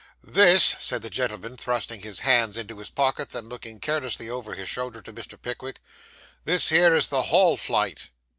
'This,' said the gentleman, thrusting his hands into his pockets, and looking carelessly over his shoulder to Mr. Pickwick 'this here is the hall flight.